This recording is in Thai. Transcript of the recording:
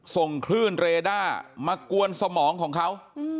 ส่งคลื่นเรด้ามากวนสมองของเขา